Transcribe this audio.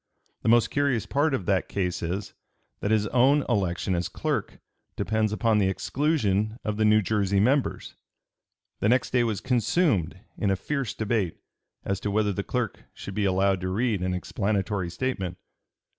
The most curious part of the case is, that his own election as clerk depends upon the exclusion of the New Jersey members." The next day was consumed in a fierce debate as to whether the clerk should be allowed to read an explanatory statement.